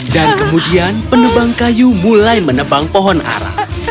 dan kemudian penebang kayu mulai menebang pohon ara